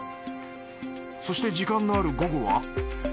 そして時間のある午後は。